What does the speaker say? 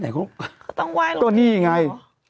เออท้องไหวละโดนนี้ไง